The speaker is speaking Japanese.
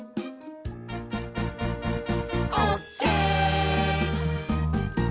オーケー！